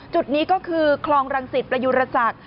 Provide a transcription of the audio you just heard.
จุดนี้ก็คือคลองรังศิษย์ประยุรสัตว์